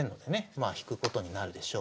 まあ引くことになるでしょう。